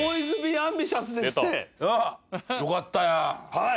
はい。